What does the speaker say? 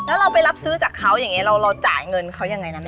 แล้วเราไปรับซื้อจากเขาอย่างนี้เราจ่ายเงินเขายังไงนะแม่